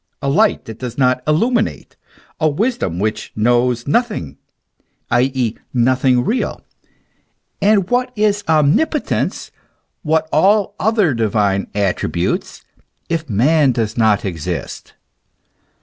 a light that does not illuminate? a wisdom which knows nothing, i.e., nothing real ? And what is omnipotence, what all other divine attributes, if man does not exist?